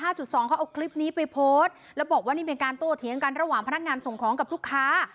เขาเอาคลิปนี้ไปโพสต์แล้วบอกว่านี่เป็นการโต้เถียงกันระหว่างพนักงานส่งของกับลูกค้า